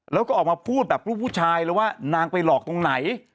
แล้วก็ออกมาพูดแบบลูกผู้ชายเลยว่านางไปหลอกตรงไหน